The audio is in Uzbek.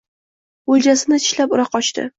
oʼljasini tishlab, ura qochdi.